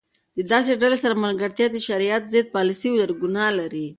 د داسي ډلي سره ملګرتیا چي د شرعیت ضد پالسي ولري؛ ګناه لري.